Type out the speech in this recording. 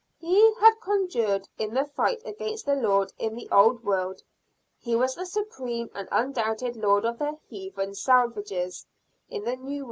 He had conquered in the fight against the Lord in the old world. He was the supreme and undoubted lord of the "heathen salvages" in the new.